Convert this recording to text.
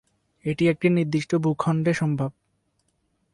এটি একটি নির্দিষ্ট ভূখণ্ডে সম্ভব।